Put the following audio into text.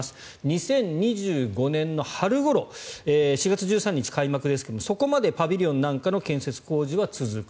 ２０２５年の春ごろ４月１３日開幕ですがそこまでパビリオンなんかの建設工事は続く。